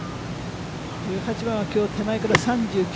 １８番は、きょう手前から３９。